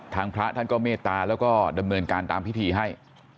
พระท่านก็เมตตาแล้วก็ดำเนินการตามพิธีให้